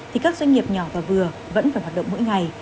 thì các doanh nghiệp nhỏ và vừa vẫn phải hoạt động mỗi ngày